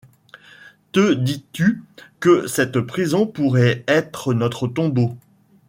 Te dis-tu que cette prison pourrait être notre tombeau?